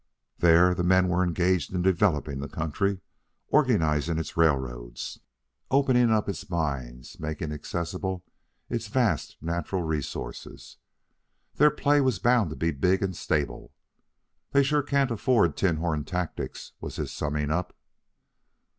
There the men were engaged in developing the country, organizing its railroads, opening up its mines, making accessible its vast natural resources. Their play was bound to be big and stable. "They sure can't afford tin horn tactics," was his summing up.